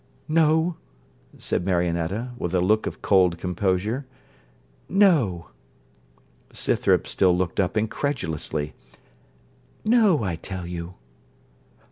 'No,' said Marionetta, with a look of cold composure: 'No.' Scythrop still looked up incredulously. 'No, I tell you.'